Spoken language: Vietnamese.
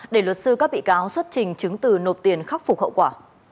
để luật sư các bị cáo xuất trình chứng từ nộp tiền khắc phục hậu quả